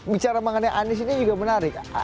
bicara mengenai anies ini juga menarik